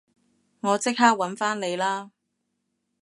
我即刻搵返你啦